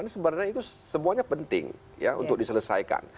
ini sebenarnya itu semuanya penting ya untuk diselesaikan